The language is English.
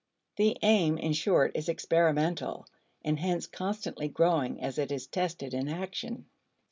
The aim, in short, is experimental, and hence constantly growing as it is tested in action.